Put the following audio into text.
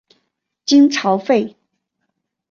金朝废。